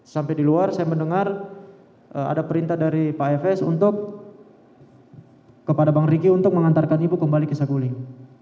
sampai di luar saya mendengar ada perintah dari pak efes untuk kepada bang riki untuk mengantarkan ibu kembali ke saguling